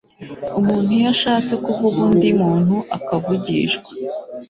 Umuntu iyo ashatse kuvuga undi muntu akavugishwa,